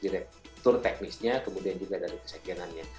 dari kultur teknisnya kemudian juga dari kesekianannya